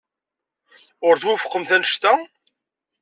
Ur twufqemt anect-a?